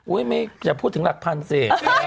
ไม่อย่าพูดถึงหลักพันสิ